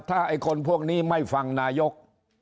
ถ้าไอ้คนพวกนี้ไม่ฟังนายก